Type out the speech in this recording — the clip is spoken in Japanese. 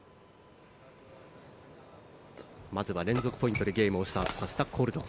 まずは連続ポイントでゲームをスタートさせたコルドン。